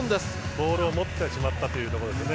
ボールを持ってしまったというところですね。